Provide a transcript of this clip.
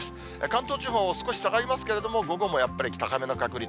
関東地方、少し下がりますけれども、午後もやっぱり高めの確率。